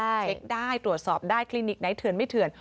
เช็คได้ตรวจสอบได้คลินิกไหนเถื่อนไม่เถื่อน